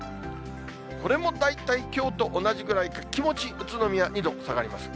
これも大体きょうと同じくらいか、気持ち宇都宮、２度下がります。